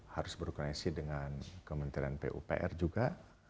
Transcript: harus berkoneksi dengan kementerian pupr juga